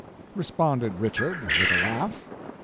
"... responded Richard, with a laugh."